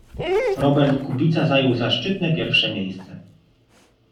Robert Kubica zajął zaszczytne pierwsze miejsce